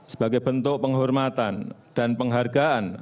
sebagai bentuk penghormatan dan penghargaan